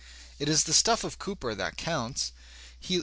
It is the stuff of Cooper that counts.